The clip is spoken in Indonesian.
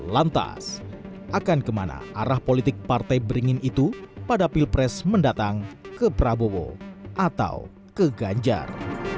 lantas akan kemana arah politik partai beringin itu pada pilpres mendatang ke prabowo atau ke ganjar